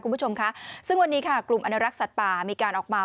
คุณผู้ชมค่ะซึ่งวันนี้ค่ะกลุ่มอนุรักษ์สัตว์ป่ามีการออกมา